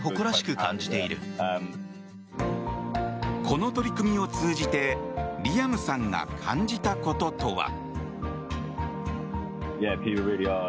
この取り組みを通じてリアムさんが感じたこととは。